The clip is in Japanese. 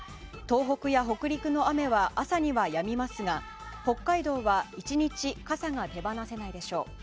東北や北陸の雨は朝にはやみますが北海道は１日傘が手放せないでしょう。